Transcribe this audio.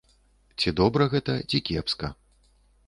Ці добра гэта, ці кепска?